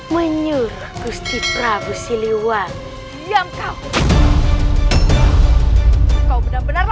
menyuruh gusti prabu siliwani diam kau kau benar benar